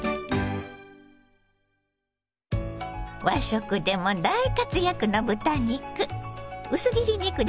和食でも大活躍の豚肉。